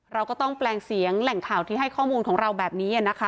เราก็ต้องแปลงเสียงแหล่งข่าวที่ให้ข้อมูลของเราแบบนี้นะคะ